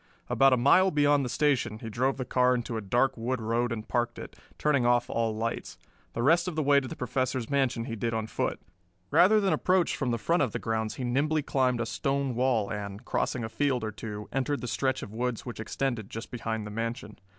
About a mile beyond the station he drove the car into a dark wood road and parked it, turning off all lights. The rest of the way to the Professor's mansion he did on foot. Rather than approach from the front of the grounds he nimbly climbed a stone wall and, crossing a field or two, entered the stretch of woods which extended just behind the mansion.